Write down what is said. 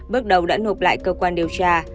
bước đầu đã nộp lại cơ quan điều tra